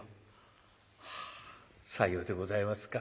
「さようでございますか。